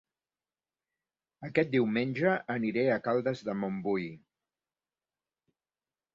Aquest diumenge aniré a Caldes de Montbui